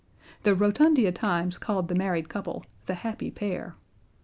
The Rotundia Times called the married couple "the happy pair."